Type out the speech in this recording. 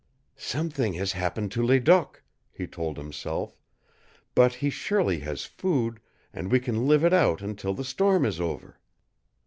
"Something has happened to Ledoq," he told himself, "but he surely has food, and we can live it out until the storm is over."